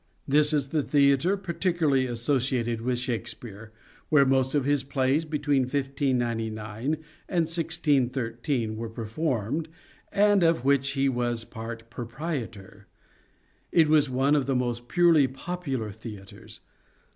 This is the theatre particularly associated with Shakespeare, where most of his plays between 1599 and 1613 were performed, and of which he was part proprietor. It was one of the most purely popular theatres.